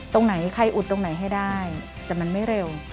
ตรงไหนใครอุดตรงไหนให้ได้แต่มันไม่เร็ว